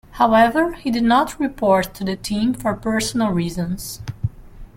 However, he did not report to the team for personal reasons.